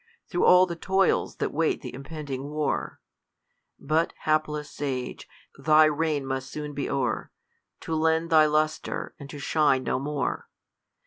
' Through all the toils that wait th' impending war, But, hapless sage, thy reign must soon be o'er, To lend thy lustre, and to shine no more.